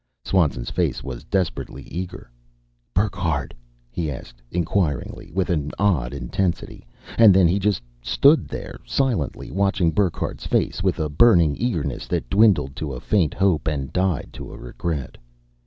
Swanson's face was desperately eager. "Burckhardt?" he asked inquiringly, with an odd intensity. And then he just stood there silently, watching Burckhardt's face, with a burning eagerness that dwindled to a faint hope and died to a regret.